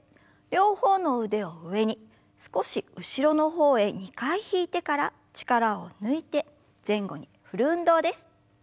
両方の腕を上に少し後ろの方へ２回引いてから力を抜いて前後に振る運動です。